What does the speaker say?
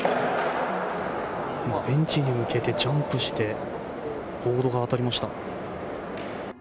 ベンチに向けてジャンプしてボードが当たりました。